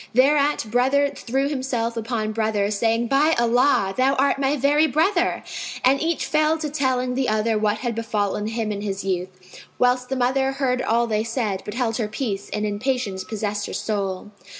Thereat brother threw himself upon brother saying, "By Allah, thou art my very brother!" And each fell to telling the other what had befallen him in his youth, whilst the mother heard all they said, but held her peace and in patience possessed her soul.